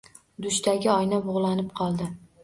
Dushdagi oyna bug'lanib qoldi.